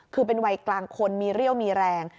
คือเป็นวัยกลางคนมีเรี่ยวมีแรง